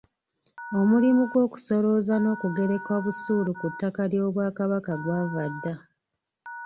Omulimu gw’okusolooza n’okugereka busuulu ku ttaka ly'Obwakabaka gwava dda.